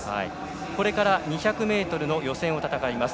これから２００ｍの予選を戦います。